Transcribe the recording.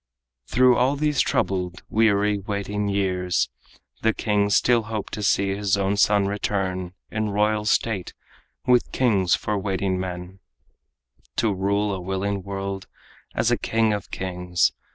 Through all these troubled, weary, waiting years, The king still hoped to see his son return In royal state, with kings for waiting men, To rule a willing world as king of kings.